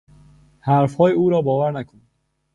حرفهای او را باور نکن.